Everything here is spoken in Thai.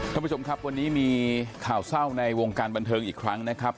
ท่านผู้ชมครับวันนี้มีข่าวเศร้าในวงการบันเทิงอีกครั้งนะครับ